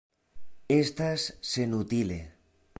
Estas senutile.